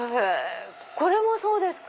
これもそうですか？